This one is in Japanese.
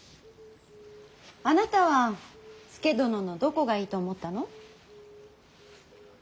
あなたは佐殿のどこがいいと思ったの。